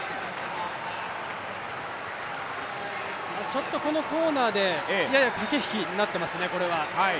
ちょっとこのコーナーでやや駆け引きになってますね。